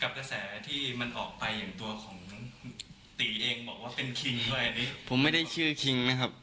กระแสที่มันออกไปอย่างตัวของตีเองบอกว่าเป็นคิงด้วยดิผมไม่ได้ชื่อคิงนะครับ